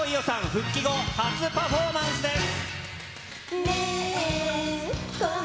復帰後初パフォーマンスです。